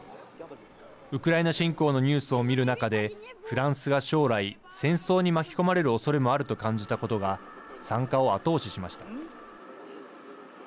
ウクライナ侵攻のニュースを見る中でフランスが将来、戦争に巻き込まれるおそれもあると感じたことが参加を後押ししました。